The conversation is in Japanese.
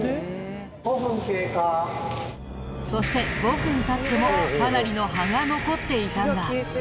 そして５分経ってもかなりの葉が残っていたんだ。